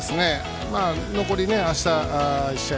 残り、あした１試合。